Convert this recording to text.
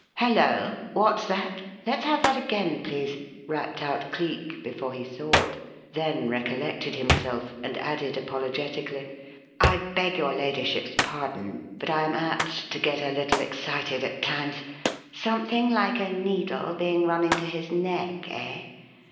'" "Hello! what's that? Let's have that again, please!" rapped out Cleek, before he thought; then recollected himself and added apologetically, "I beg your ladyship's pardon, but I am apt to get a little excited at times. Something like a needle being run into his neck, eh?